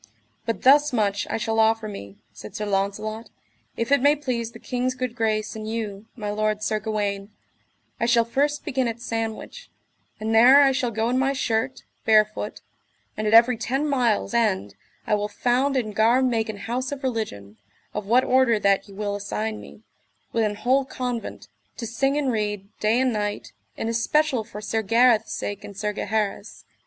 But thus much I shall offer me, said Sir Launcelot, if it may please the king's good grace, and you, my lord Sir Gawaine, I shall first begin at Sandwich, and there I shall go in my shirt, barefoot; and at every ten miles' end I will found and gar make an house of religion, of what order that ye will assign me, with an whole convent, to sing and read, day and night, in especial for Sir Gareth's sake and Sir Gaheris.